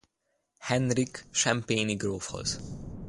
Henrik champagne-i grófhoz.